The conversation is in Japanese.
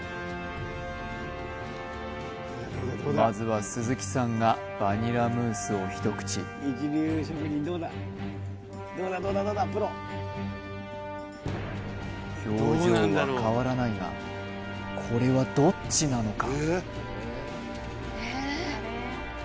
まずは鈴木さんがバニラムースを一口表情は変わらないがこれはどっちなのか？